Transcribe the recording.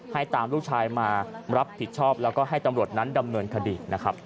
ให้ตามลูกชายมารับผิดชอบแล้วก็ให้ตำรวจนั้นดำเนินคดีนะครับ